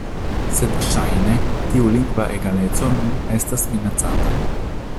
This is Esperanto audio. Sed ŝajne tiu lingva egaleco nun estas minacata.